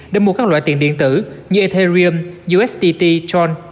để mua các loại tiền điện tử như ethereum usdt tron